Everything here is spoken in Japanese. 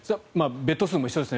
ベッド数も一緒ですね。